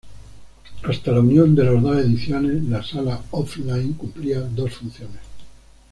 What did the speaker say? Hasta la unión de las dos ediciones, la "sala off-line" cumplía dos funciones.